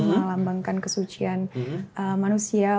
melambangkan kesucian manusia